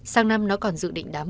sáng năm nó còn dự định đám